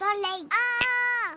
あ！